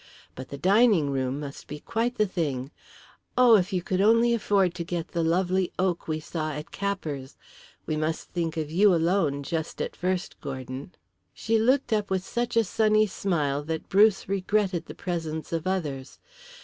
But the dining room must be quite the thing. Oh, if you could only afford to get the lovely oak we saw at Capper's! We must think of you alone, just at first, Gordon." She looked up with such a sunny smile that Bruce regretted the presence of others.